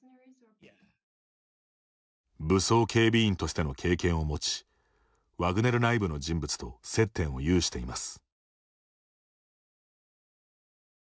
武装警備員としての経験を持ちワグネル内部の人物と接点を有しています。